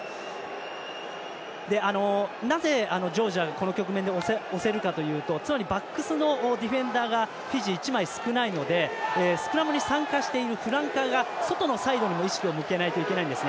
なぜ、ジョージアが、この局面で押せるかというとバックスのディフェンダーがフィジー、１枚少ないのでスクラムに参加しているフランカーが外のサイドにも意識を向けないといけないんです。